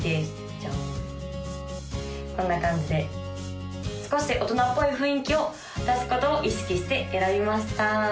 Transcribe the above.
ジャンこんな感じで少し大人っぽい雰囲気を出すことを意識して選びました